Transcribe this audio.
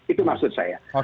itu maksud saya